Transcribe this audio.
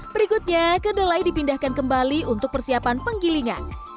berikutnya ke delai dipindahkan kembali untuk persiapan penggilingan